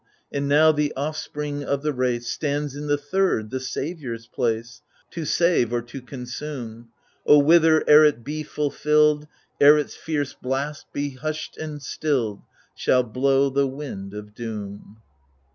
And now the offspring of the race Stands in the third, the saviour's place, To save — or to consume ? O whither, ere it be fulfilled, Ere its fierce blast be hushed and stilled. Shall blow the wind of doom